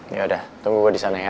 ya udah tunggu gua disana ya